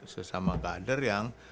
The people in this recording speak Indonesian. sesama kader yang